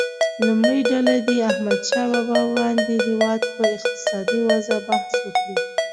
لومړۍ ډله دې د احمدشاه بابا وړاندې هیواد په اقتصادي وضعه بحث وکړي.